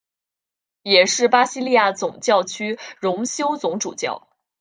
也是巴西利亚总教区荣休总主教。